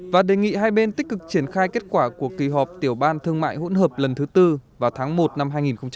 và đề nghị hai bên tích cực triển khai kết quả của kỳ họp tiểu ban thương mại hỗn hợp lần thứ tư vào tháng một năm hai nghìn hai mươi